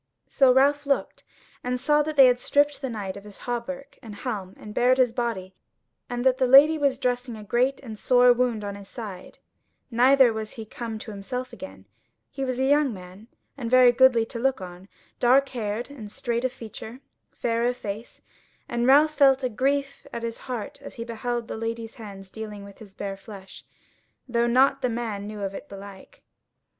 So Ralph looked, and saw that they had stripped the knight of his hauberk and helm, and bared his body, and that the Lady was dressing a great and sore wound in his side; neither was he come to himself again: he was a young man, and very goodly to look on, dark haired and straight of feature, fair of face; and Ralph felt a grief at his heart as he beheld the Lady's hands dealing with his bare flesh, though nought the man knew of it belike.